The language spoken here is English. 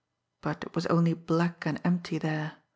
But it was only black and empty there.